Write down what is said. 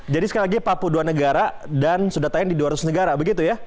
jadi sekali lagi papua dua negara dan sudah tayang di dua ratus negara begitu ya